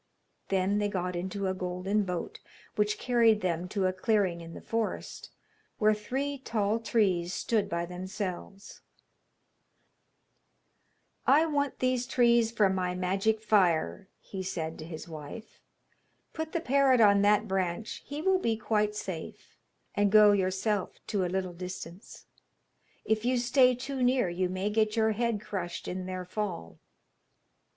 Then they got into a golden boat, which carried them to a clearing in the forest, where three tall trees stood by themselves. [Illustration: THE MAGICIAN'S WIFE WHISTLES TO THE PARROT] 'I want these trees for my magic fire,' he said to his wife; 'put the parrot on that branch, he will be quite safe, and go yourself to a little distance. If you stay too near you may get your head crushed in their fall.'